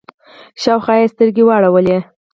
شاوخوا يې سترګې واړولې.